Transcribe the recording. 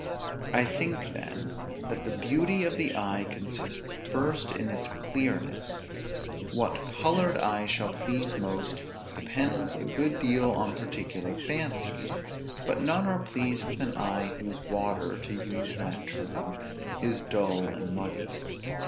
I think, then, that the beauty of the eye consists, first, in its clearness; what colored eye shall please most, depends a good deal on particular fancies; but none are pleased with an eye whose water (to use that term) is dull and muddy.